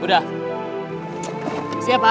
mana sih pak